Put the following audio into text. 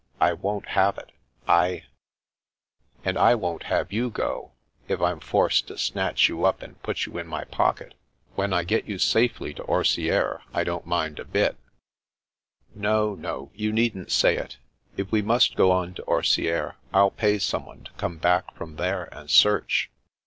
I won't have it. 99 " And I won't have you go, if I'm forced to snatch you up and put you in my pocket. When I get you safely to Orsieres, I don't mind a bit "" No, no, you needn't say it. If we must go on to Orsieres, I'll pay someone to come back from there, and search."